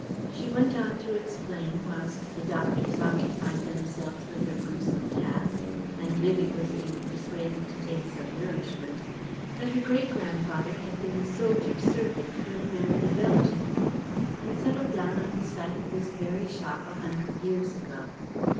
She went on to explain, whilst the doctors occupied themselves with their gruesome task, and Vivie was being persuaded to take some nourishment, that her great grandfather had been a soldier servant who had married a Belgian woman and settled down on the site of this very shop a hundred years ago.